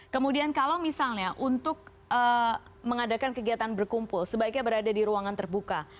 kemudian kalau misalnya untuk mengadakan kegiatan berkumpul sebaiknya berada di ruangan terbuka